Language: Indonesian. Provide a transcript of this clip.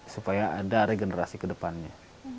supaya ada regenerasi kedepannya